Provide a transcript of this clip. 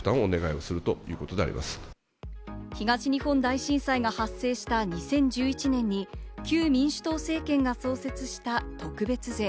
東日本大震災が発生した２０１１年に旧民主党政権が創設した特別税。